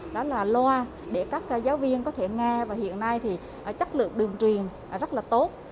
đó là loa để các giáo viên có thể nghe và hiện nay thì chất lượng đường truyền rất là tốt